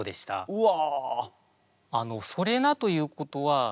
うわ！